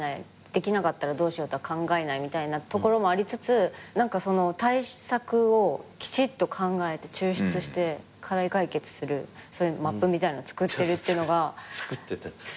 できなかったらどうしようとか考えないみたいなところもありつつ対策をきちっと考えて抽出して課題解決するマップみたいなの作ってるってのがすごい。